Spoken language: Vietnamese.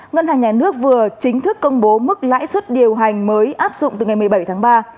ngân hàng nhà nước vừa chính thức công bố mức lãi suất điều hành mới áp dụng từ ngày một mươi bảy tháng ba